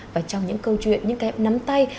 và trong những câu chuyện những kẹp nắm tay